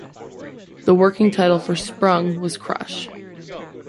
The working title for "Sprung" was Crush.